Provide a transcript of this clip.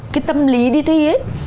cái tâm lý đi thi ấy